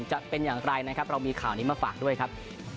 จะเป็นอย่างไรนะครับเรามีข่าวนี้มาฝากด้วยครับ